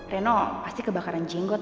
reno pasti kebakaran jenggot